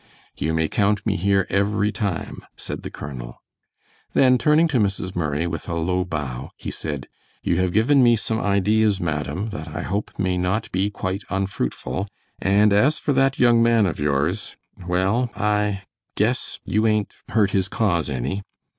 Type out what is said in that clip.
"You may count me here every time," said the colonel. Then turning to Mrs. Murray, with a low bow, he said, "you have given me some ideas madam, that I hope may not be quite unfruitful, and as for that young man of yours, well I guess you ain't hurt his cause any.